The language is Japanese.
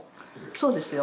そうですよ。